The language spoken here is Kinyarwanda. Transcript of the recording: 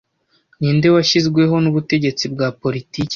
ninde washyizweho mubutegetsi bwa politiki